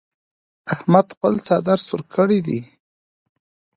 احمد خپل څادر سور کړ دی.